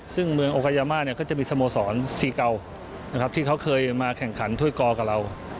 ซึ่งเมืองโอกายามาเนี่ยก็จะมีสโมสร๔เก่านะครับที่เขาเคยมาแข่งขันถ้วยกอกับเรา